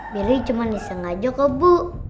billy cuman disengaja kebu